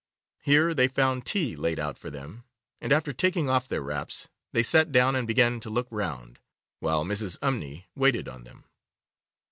Here they found tea laid out for them, and, after taking off their wraps, they sat down and began to look round, while Mrs. Umney waited on them.